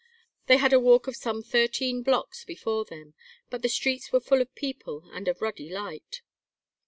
They had a walk of some thirteen blocks before them, but the streets were full of people and of ruddy light.